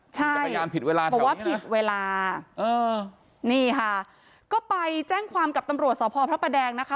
ใช่บอกว่าผิดเวลานี่ค่ะก็ไปแจ้งความกับตำรวจสภพพระประแดงนะคะ